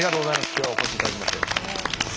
今日はお越しいただきまして。